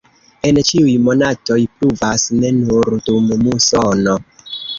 En ĉiuj monatoj pluvas, ne nur dum musono.